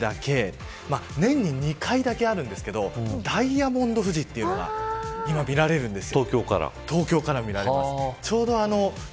今の時期だけ年に２回だけあるんですけどダイヤモンド富士というのが、今見られるんですよ。